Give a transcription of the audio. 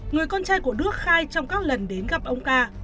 người con trai của đức khai trong các lần đến gặp ông ca